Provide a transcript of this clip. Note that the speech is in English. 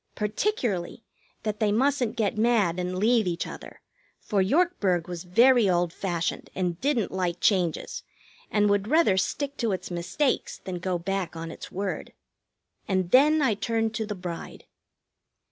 Particularly that they mustn't get mad and leave each other, for Yorkburg was very old fashioned and didn't like changes, and would rather stick to its mistakes than go back on its word. And then I turned to the bride.